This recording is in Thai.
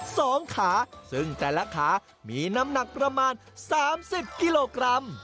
สองขาซึ่งแต่ละขามีน้ำหนักประมาณสามสิบกิโลกรัม